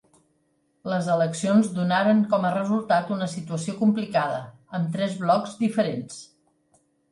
Les eleccions donaren com a resultat una situació complicada, amb tres blocs diferents.